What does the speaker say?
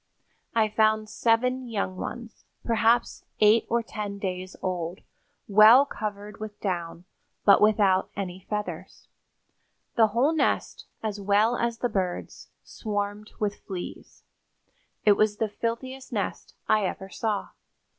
I found seven young ones, perhaps eight or ten days old, well covered with down, but without any feathers. The whole nest, as well as the birds, swarmed with fleas. It was the filthiest nest I ever saw.